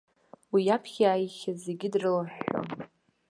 Уи иаԥхьа иааихьаз зегьы дрылыҳәҳәон.